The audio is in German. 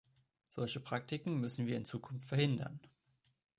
Solche Praktiken müssen wir in Zukunft verhindern.